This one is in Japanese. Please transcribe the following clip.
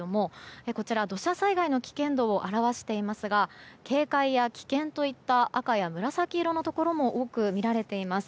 こちら、土砂災害の危険度を表していますが警戒や危険といった赤や紫色のところも多く見られています。